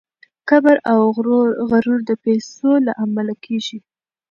کبر او غرور د پیسو له امله کیږي.